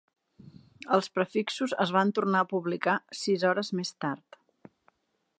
Els prefixos es van tornar a publicar sis hores més tard.